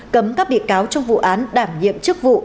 cấm các bị cáo trong vụ án đảm nhiệm chức vụ